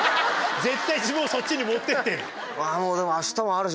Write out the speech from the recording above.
絶対自分をそっちに持ってってる。